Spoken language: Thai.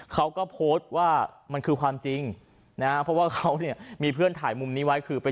เขาก็โพสต์ว่ามันคือความจริงเพราะว่ามีเพื่อนถ่ายมุมนี้ไว้